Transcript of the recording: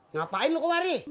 ngapain lo kemari